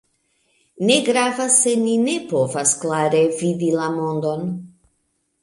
Ne gravas se mi ne povas klare vidi la mondon.